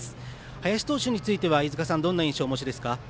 林投手についてはどんな印象をお持ちですか？